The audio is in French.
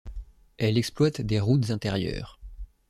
Elle exploite des routes intérieures.